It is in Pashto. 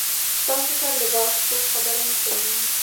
ستاسو پر لباس څوک خبره نه کوي.